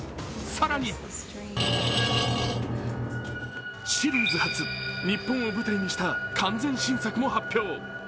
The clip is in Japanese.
更にシリーズ初、日本を舞台にした完全新作も発表。